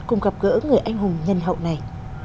cùng gặp gỡ người anh hùng nhân hậu này